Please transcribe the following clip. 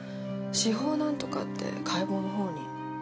司法なんとかって解剖の方に。